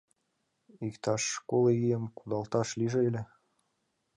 — Иктаж коло ийым кудалташ лийже ыле.